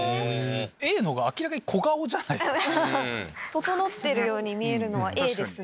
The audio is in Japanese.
整ってるように見えるのはＡですね。